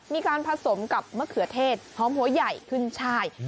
มีการผสมกับมะเขือเทศหอมหัวใหญ่ขึ้นช่าย